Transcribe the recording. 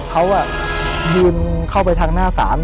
เขายืนเข้าไปทางหน้าศาล